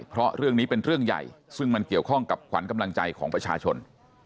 เพราะเรื่องนี้เป็นเรื่องใหญ่ซึ่งมันเกี่ยวข้องกับขวัญกำลังใจของประชาชน